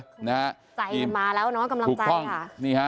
ใจมาแล้วน้องกำลังใจค่ะ